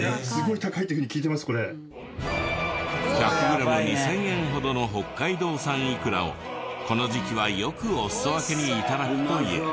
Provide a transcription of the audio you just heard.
１００グラム２０００円ほどの北海道産イクラをこの時期はよくおすそ分けに頂くという。